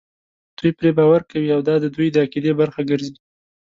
دوی پرې باور کوي او دا د دوی د عقیدې برخه ګرځي.